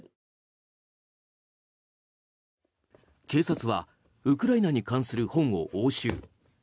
警察はウクライナに関する本を押収。